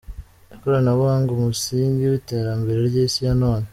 Ikoranabuhanga umusingi w’iterambere ry’isi ya none